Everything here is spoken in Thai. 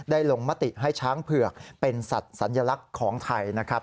ลงมติให้ช้างเผือกเป็นสัตว์สัญลักษณ์ของไทยนะครับ